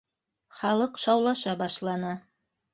Халыҡ шаулаша башланы